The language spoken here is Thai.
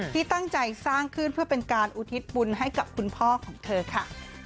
ที่ตั้งใจสร้างขึ้นเพื่อเป็นการอุทิศบุญให้กับคุณพ่อของเธอค่ะ